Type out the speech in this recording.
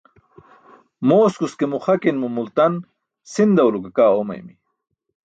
Mooskus ke muxakin mo multan sindaw lo ke kaa oomaymi.